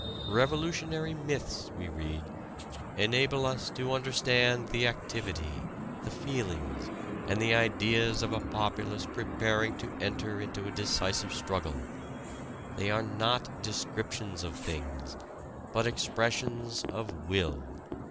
"Revolutionary myths ..." we read, "enable us to understand the activity, the feelings, and the ideas of a populace preparing to enter into a decisive struggle; they are not descriptions of things, but expressions of will."